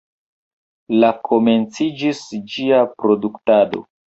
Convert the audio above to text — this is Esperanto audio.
La komenciĝis ĝia produktado.